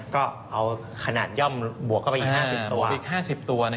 ก็เอาขนาดย่อมบวกเข้าไปอีก๕๐ตัว